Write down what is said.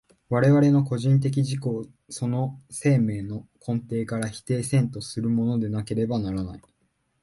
我々の個人的自己をその生命の根底から否定せんとするものでなければならない。